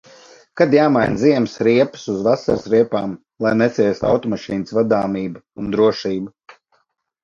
Kad jāmaina ziemas riepas uz vasaras riepām, lai neciestu automašīnas vadāmība un drošība?